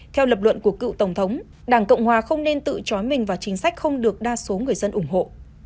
theo lập luận của cựu tổng thống đảng cộng hòa không nên tự chói mình vào chính sách không được đa số người dân ủng hộ